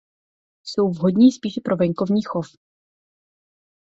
Jsou vhodní spíše pro venkovní chov.